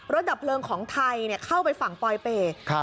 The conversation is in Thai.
ดับเพลิงของไทยเข้าไปฝั่งปลอยเป็ด